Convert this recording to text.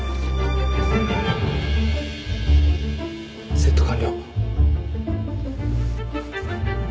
セット完了。